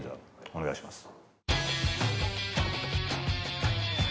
お願いします。